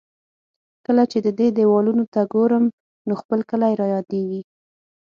کله چې د دې دېوالونو ته ګورم، نو خپل کلی را یادېږي.